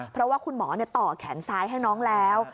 เพราะว่าคุณหมอต่อแขนซ้ายให้น้องแล้ว